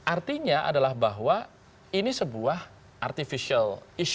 artinya adalah bahwa ini sebuah isu artifisial